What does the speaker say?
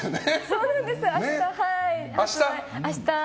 そうなんです、明日。